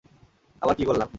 আবার কী করলাম?